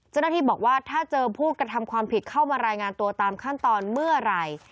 เจ้าหน้าที่บอกว่าถ้าเจอผู้กระทำความผิดเข้ามารายงานตัวตามขั้นตอนเมื่อไหร่